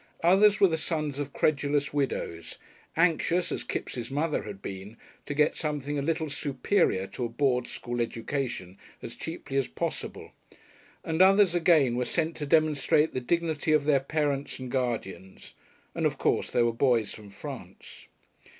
Others were the sons of credulous widows, anxious, as Kipps' mother had been, to get something a little "superior" to a board school education as cheaply as possible; and others again were sent to demonstrate the dignity of their parents and guardians. And of course there were boys from France.